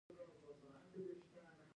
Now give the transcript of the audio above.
زه خیاطۍ ته ځم تر څو کالي راته جوړ کړي